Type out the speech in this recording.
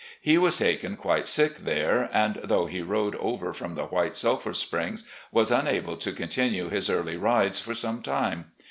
He was taken quite sick there, and, though he rode over from the White Sulphxir Springs, was unable to continue his early rides for some time.